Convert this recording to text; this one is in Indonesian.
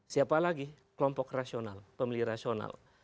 siapa lagi kelompok rasional pemilih rasional